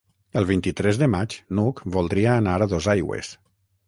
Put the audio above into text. El vint-i-tres de maig n'Hug voldria anar a Dosaigües.